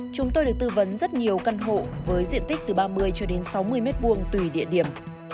chúng tôi được tư vấn rất nhiều căn hộ với diện tích từ ba mươi cho đến sáu mươi m hai tùy địa điểm